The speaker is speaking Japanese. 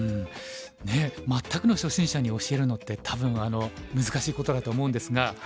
ねえ全くの初心者に教えるのって多分難しいことだと思うんですが。